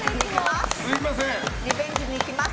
リベンジに来ます。